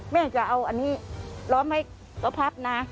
แม่จะเอาอันนี้ล้อมให้เขาพับนะ